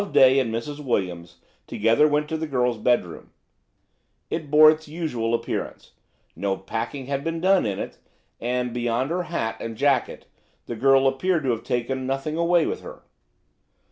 Loveday and Mrs. Williams together went to the girl's bed room. It bore its usual appearance: no packing had been done in it, and, beyond her hat and jacket, the girl appeared to have taken nothing away with her.